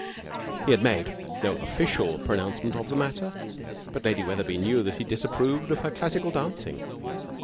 He had made no official pronouncement of the matter, but Lady Wetherby knew that he disapproved of her classical dancing.